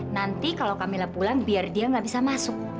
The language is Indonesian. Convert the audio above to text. nanti kalau kami pulang biar dia nggak bisa masuk